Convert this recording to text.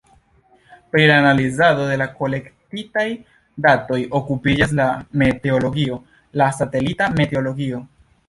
Pri la analizado de la kolektitaj datoj okupiĝas la meteologio, la satelita meteologio.